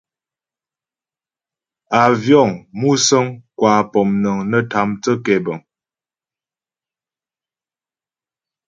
Àvyɔ̌ŋ (musə̀ŋ) kwa pɔ̌mnəŋ nə́ tâ mthə́ kɛbəŋ.